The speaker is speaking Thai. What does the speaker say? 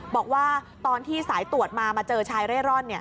บอกว่าตอนที่สายตรวจมามาเจอชายเร่ร่อน